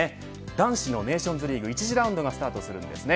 男子もネーションズリーグ１次ラウンドがスタートするんですね。